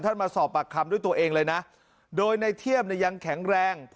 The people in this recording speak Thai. ท่านมาลองสอบปากคำโดยตัวเองล่ะนะ